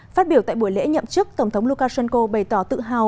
phát biểu tại buổi lễ nhậm chức tổng thống lukashenko bày tỏ tự hào